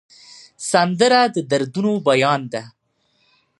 سندره د دردونو بیان ده